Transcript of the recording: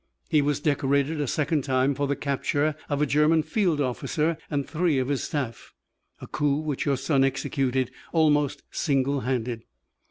He was decorated a second time for the capture of a German field officer and three of his staff, a coup which your son executed almost single handed.